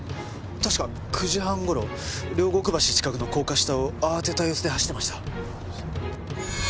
確か９時半頃両国橋近くの高架下を慌てた様子で走っていました。